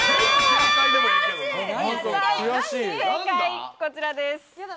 正解、こちらです。